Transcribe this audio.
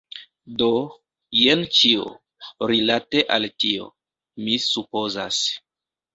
Do, jen ĉio, rilate al tio. Mi supozas.